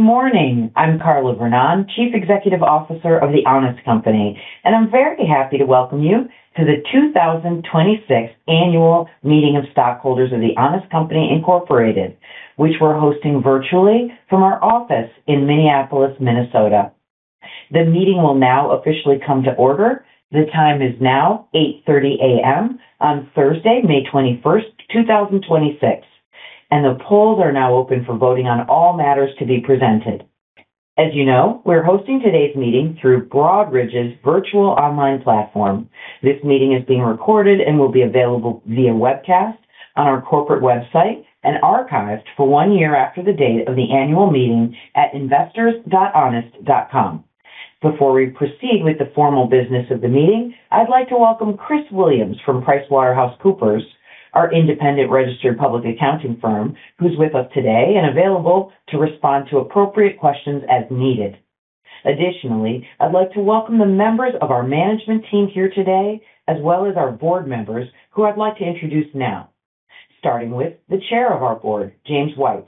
Good morning. I'm Carla Vernón, Chief Executive Officer of The Honest Company, and I'm very happy to welcome you to the 2026 Annual Meeting of Stockholders of The Honest Company, Incorporated, which we're hosting virtually from our office in Minneapolis, Minnesota. The meeting will now officially come to order. The time is now 8:30 A.M. on Thursday, May 21st, 2026, and the polls are now open for voting on all matters to be presented. As you know, we're hosting today's meeting through Broadridge's virtual online platform. This meeting is being recorded and will be available via webcast on our corporate website and archived for one year after the date of the annual meeting at investors.honest.com. Before we proceed with the formal business of the meeting, I'd like to welcome Chris Williams from PricewaterhouseCoopers, our independent registered public accounting firm, who's with us today and available to respond to appropriate questions as needed. I'd like to welcome the members of our management team here today, as well as our board members, who I'd like to introduce now, starting with the Chair of our Board, James White.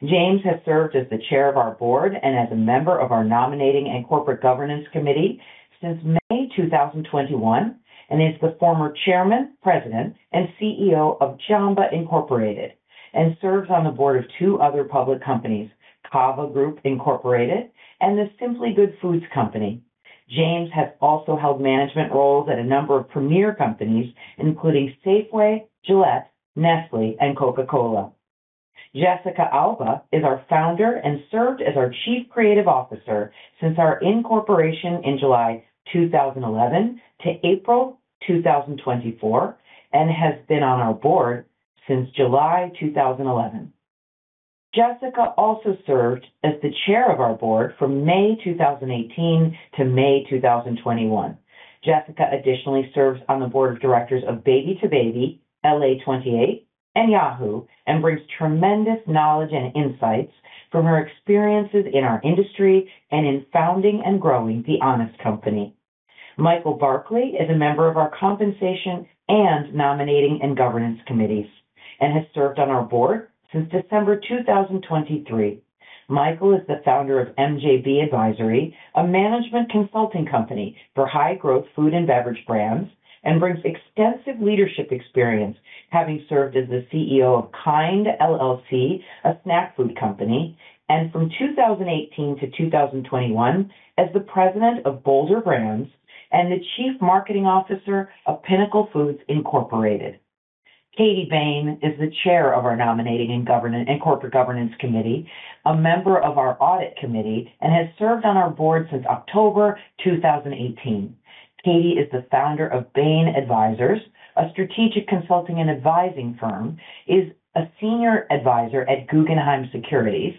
James has served as the Chair of our Board and as a member of our Nominating and Corporate Governance Committee since May 2021, is the former Chairman, President, and CEO of Jamba Incorporated, and serves on the board of two other public companies,, and The Simply Good Foods Company. James has also held management roles at a number of premier companies, including Safeway, Gillette, Nestlé, and Coca-Cola. Jessica Alba is our founder and served as our chief creative officer since our incorporation in July 2011 to April 2024, and has been on our board since July 2011. Jessica also served as the chair of our board from May 2018 to May 2021. Jessica additionally serves on the board of directors of Baby2Baby, LA28, and Yahoo, and brings tremendous knowledge and insights from her experiences in our industry and in founding and growing The Honest Company. Michael Barkley is a member of our compensation and nominating and governance committees and has served on our board since December 2023. Michael is the founder of MJB Advisory, a management consulting company for high-growth food and beverage brands, and brings extensive leadership experience, having served as the CEO of KIND LLC, a snack food company, and from 2018 to 2021 as the President of Boulder Brands and the Chief Marketing Officer of Pinnacle Foods Incorporated. Katie Bayne is the Chair of our Nominating and Corporate Governance Committee, a member of our Audit Committee, and has served on our Board since October 2018. Katie is the founder of Bayne Advisors, a strategic consulting and advising firm, is a senior advisor at Guggenheim Securities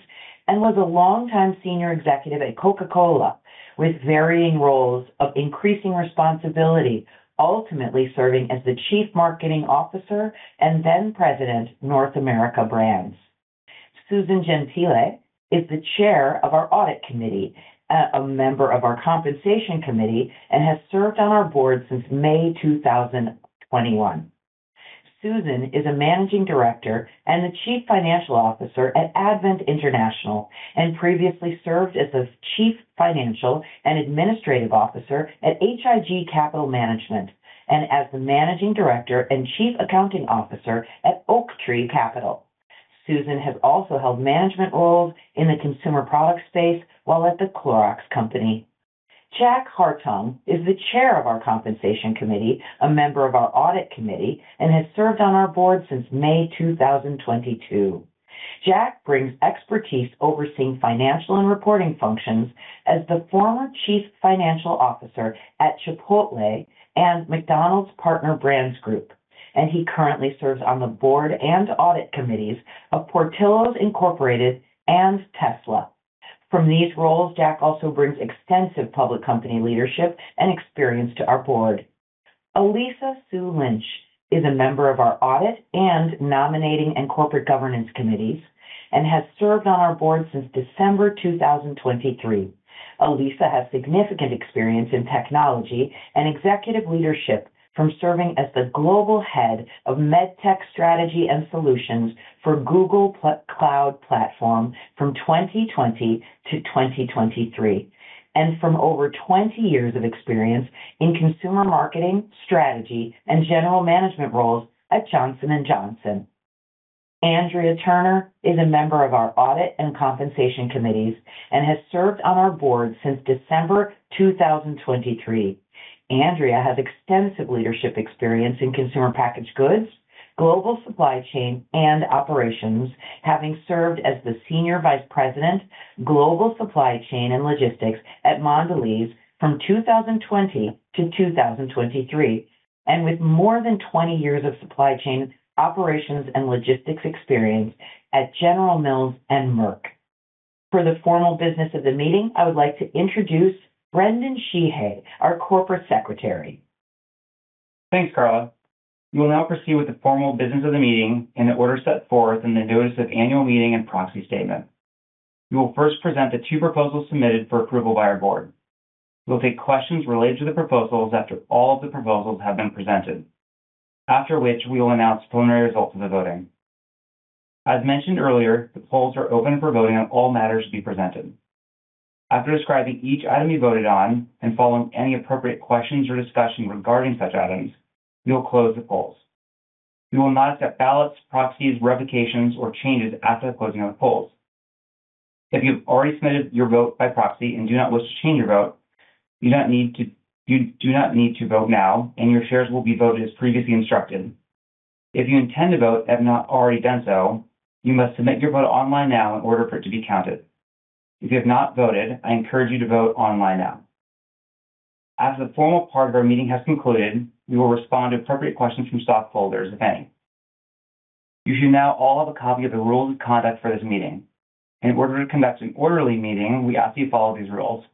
and was a long-time senior executive at Coca-Cola with varying roles of increasing responsibility, ultimately serving as the Chief Marketing Officer and then President, North America Brands. Susan Gentile is the chair of our audit committee, a member of our compensation committee, and has served on our board since May 2021. Susan is a Managing Director and the Chief Financial Officer at Advent International, and previously served as the Chief Financial and Administrative Officer at H.I.G. Capital and as the Managing Director and Chief Accounting Officer at Oaktree Capital. Susan has also held management roles in the consumer products space while at The Clorox Company. Jack Hartung is the chair of our compensation committee, a member of our audit committee, and has served on our board since May 2022. Jack brings expertise overseeing financial and reporting functions as the former Chief Financial Officer at Chipotle and McDonald's Partner Brands Group. He currently serves on the board and audit committees of Portillo's Incorporated and Tesla. From these roles, Jack also brings extensive public company leadership and experience to our board. Alissa Hsu Lynch is a member of our audit and nominating and corporate governance committees and has served on our board since December 2023. Alissa has significant experience in technology and executive leadership from serving as the global head of MedTech Strategy and Solutions for Google Cloud Platform from 2020 to 2023, and from over 20 years of experience in consumer marketing, strategy, and general management roles at Johnson & Johnson. Andrea Turner is a member of our audit and compensation committees and has served on our board since December 2023. Andrea has extensive leadership experience in consumer packaged goods, global supply chain, and operations, having served as the senior vice president, global supply chain and logistics at Mondelez from 2020 to 2023, and with more than 20 years of supply chain operations and logistics experience at General Mills and Merck. For the formal business of the meeting, I would like to introduce Brendan Sheehey, our Corporate Secretary. Thanks, Carla. We will now proceed with the formal business of the meeting and the order set forth in the notice of annual meeting and proxy statement. We will first present the two proposals submitted for approval by our board. We will take questions related to the proposals after all of the proposals have been presented. After which we will announce preliminary results of the voting. As mentioned earlier, the polls are open for voting on all matters to be presented. After describing each item to be voted on and following any appropriate questions or discussion regarding such items, we will close the polls. We will not accept ballots, proxies, revocations, or changes after the closing of the polls. If you've already submitted your vote by proxy and do not wish to change your vote, you do not need to vote now and your shares will be voted as previously instructed. If you intend to vote and have not already done so, you must submit your vote online now in order for it to be counted. If you have not voted, I encourage you to vote online now. As the formal part of our meeting has concluded, we will respond to appropriate questions from stockholders, if any. You should now all have a copy of the rules of conduct for this meeting. In order to conduct an orderly meeting, we ask you to follow these rules.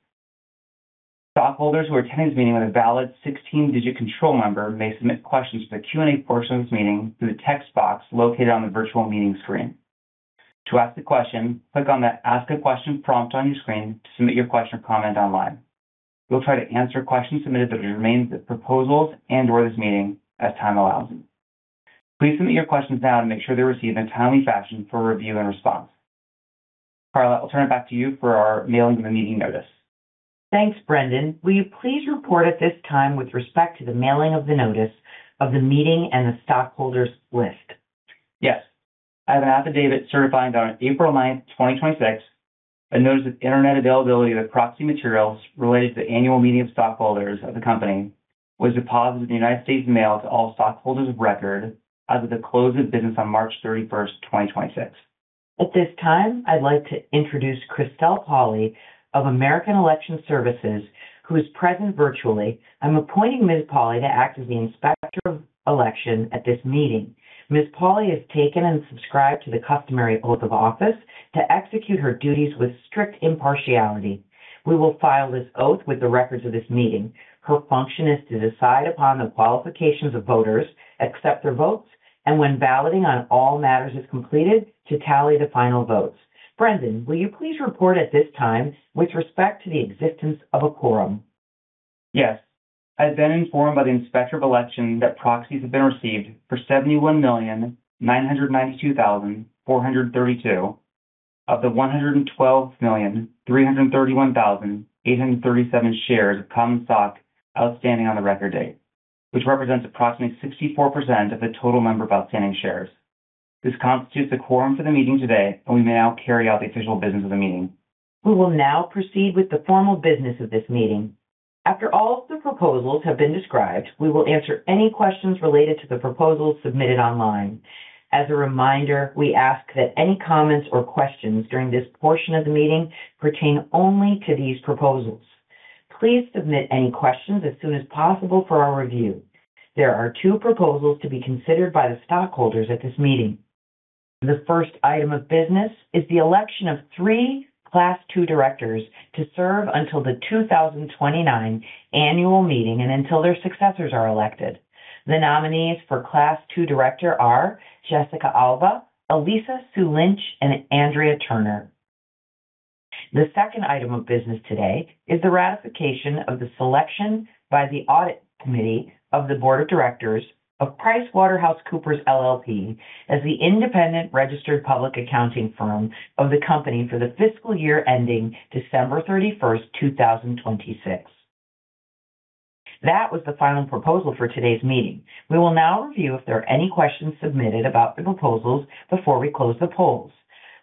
Stockholders who are attending this meeting with a valid 16-digit control number may submit questions for the Q&A portion of this meeting through the text box located on the virtual meeting screen. To ask a question, click on the Ask a Question prompt on your screen to submit your question or comment online. We will try to answer questions submitted that remain as proposals and/or this meeting as time allows. Please submit your questions now to make sure they're received in a timely fashion for review and response. Carla, I'll turn it back to you for our mailing of the meeting notice. Thanks, Brendan. Will you please report at this time with respect to the mailing of the notice of the meeting and the stockholders list? Yes. I have an affidavit certifying that on April 9th, 2026, a notice of internet availability of the proxy materials related to the annual meeting of stockholders of the company was deposited in the United States Mail to all stockholders of record as of the close of business on March 31st, 2026. At this time, I'd like to introduce Christelle Pawley of American Election Services, who is present virtually. I'm appointing Ms. Pawley to act as the Inspector of Election at this meeting. Ms. Pawley has taken and subscribed to the customary oath of office to execute her duties with strict impartiality. We will file this oath with the records of this meeting. Her function is to decide upon the qualifications of voters, accept their votes, and when balloting on all matters is completed, to tally the final votes. Brendan, will you please report at this time with respect to the existence of a quorum? Yes. I have been informed by the Inspector of Election that proxies have been received for 71,992,432 of the 112,331,837 shares of common stock outstanding on the record date, which represents approximately 64% of the total number of outstanding shares. This constitutes a quorum for the meeting today, and we may now carry out the official business of the meeting. We will now proceed with the formal business of this meeting. After all of the proposals have been described, we will answer any questions related to the proposals submitted online. As a reminder, we ask that any comments or questions during this portion of the meeting pertain only to these proposals. Please submit any questions as soon as possible for our review. There are two proposals to be considered by the stockholders at this meeting. The first item of business is the election of three Class 2 directors to serve until the 2029 annual meeting and until their successors are elected. The nominees for Class 2 director are Jessica Alba, Alissa Hsu Lynch, and Andrea Turner. The second item of business today is the ratification of the selection by the Audit Committee of the Board of Directors of PricewaterhouseCoopers LLP as the independent registered public accounting firm of the company for the fiscal year ending December 31st, 2026. That was the final proposal for today's meeting. We will now review if there are any questions submitted about the proposals before we close the polls.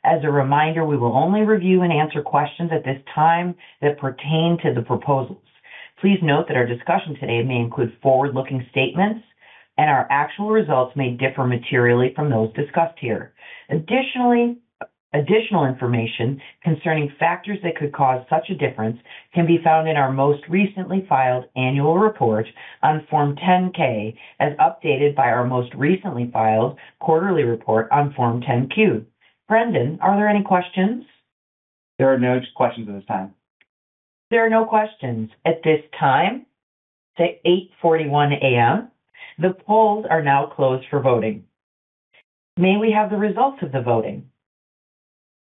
As a reminder, we will only review and answer questions at this time that pertain to the proposals. Please note that our discussion today may include forward-looking statements, and our actual results may differ materially from those discussed here. Additional information concerning factors that could cause such a difference can be found in our most recently filed annual report on Form 10-K, as updated by our most recently filed quarterly report on Form 10-Q. Brendan, are there any questions? There are no questions at this time. There are no questions. At this time, 8:41 A.M., the polls are now closed for voting. May we have the results of the voting?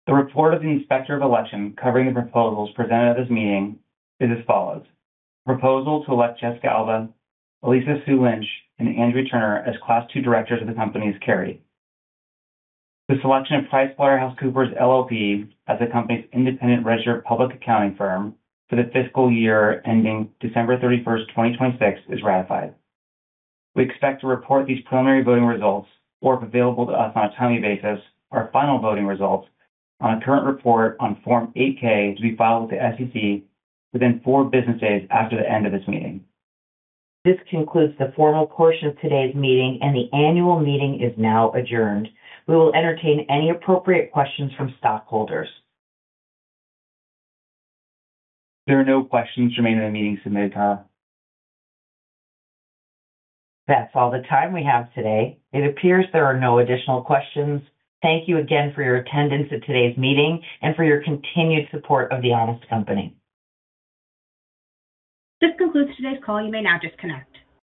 The report of the Inspector of Election covering the proposals presented at this meeting is as follows. Proposal to elect Jessica Alba, Alissa Hsu Lynch, and Andrea Turner as Class 2 directors of the Company is carried. The selection of PricewaterhouseCoopers LLP as the Company's independent registered public accounting firm for the fiscal year ending December 31st, 2026, is ratified. We expect to report these preliminary voting results, or if available to us on a timely basis, our final voting results on a current report on Form 8-K to be filed with the SEC within four business days after the end of this meeting. This concludes the formal portion of today's meeting. The annual meeting is now adjourned. We will entertain any appropriate questions from stockholders. There are no questions remaining in the meeting submitted, Carla. That's all the time we have today. It appears there are no additional questions. Thank you again for your attendance at today's meeting and for your continued support of The Honest Company. This concludes today's call. You may now disconnect.